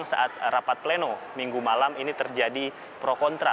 saat rapat pleno minggu malam ini terjadi pro kontra